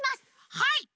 はい！